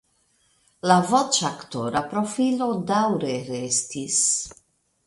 La voĉaktora profilo daŭre restis.